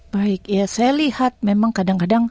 saya lihat memang kadang kadang